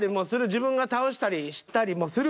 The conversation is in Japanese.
自分が倒したりしたりもする。